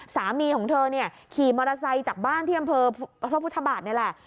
สามีของเธอเนี่ยขี่มอเตอร์ไซค์จากบ้านที่อำเภอพระพุทธบาทนี่แหละ